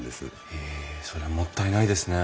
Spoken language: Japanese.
へえそれはもったいないですね。